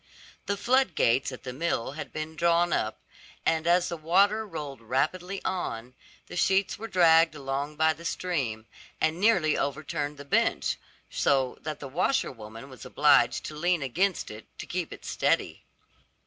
The floodgates at the mill had been drawn up, and as the water rolled rapidly on, the sheets were dragged along by the stream, and nearly overturned the bench, so that the washer woman was obliged to lean against it to keep it steady.